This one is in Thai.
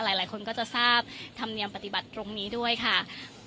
หลายคนก็จะทราบธรรมเนียมปฏิบัติตรงนี้ด้วยค่ะ